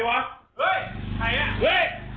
มันจริงอะไรวะ